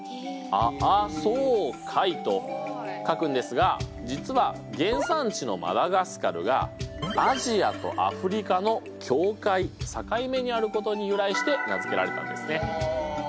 と書くんですが実は原産地のマダガスカルがアジアとアフリカの境界境目にあることに由来して名付けられたんですね。